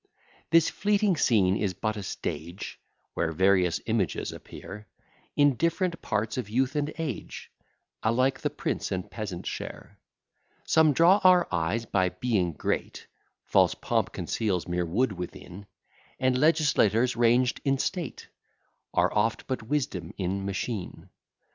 This fleeting scene is but a stage, Where various images appear; In different parts of youth and age, Alike the prince and peasant share. Some draw our eyes by being great, False pomp conceals mere wood within; And legislators ranged in state Are oft but wisdom in machine.